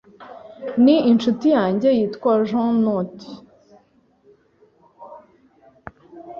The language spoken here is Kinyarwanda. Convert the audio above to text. Ni inshuti yanjye yitwa Jeannot.